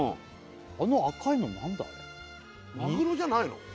あの赤いの何だあれマグロじゃないの？